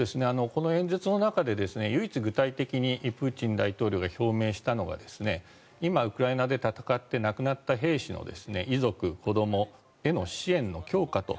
この演説の中で唯一具体的にプーチン大統領が表明したのが今ウクライナで戦って亡くなった兵士の遺族、子どもへの支援の強化と。